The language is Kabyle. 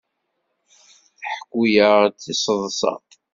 Tḥekku-aɣ-d tiseḍsa.